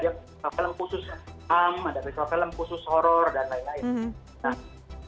ada film khusus film khusus horror dan lain lain